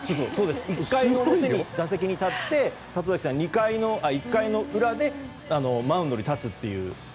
１回表で打席に立って１回の裏でマウンドに立つという。